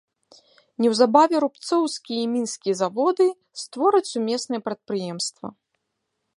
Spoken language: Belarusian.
Неўзабаве рубцоўскі і мінскі заводы створаць сумеснае прадпрыемства.